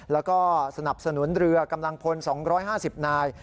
แล้วก็สนับสนุนเรือกำลังพล๒๕๐นาย